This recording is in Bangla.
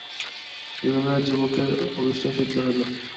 এইভাবে যুবকের অভীষ্ট সিদ্ধ হইল।